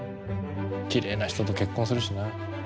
きれいな人と結婚するしな。